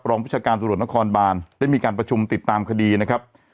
ประชาการตำรวจนครบานได้มีการประชุมติดตามคดีนะครับ